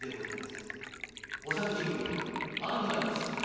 御作事奉行・安西図書様